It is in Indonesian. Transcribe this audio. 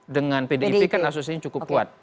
dengan pdip kan asosiasinya cukup kuat